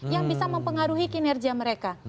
yang bisa mempengaruhi kinerja mereka